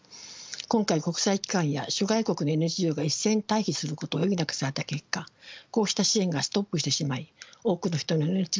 今回国際機関や諸外国のＮＧＯが一斉に退避することを余儀なくされた結果こうした支援がストップしてしまい多くの人の命が危機にひんしています。